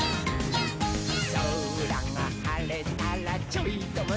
「そらがはれたらちょいとむすび」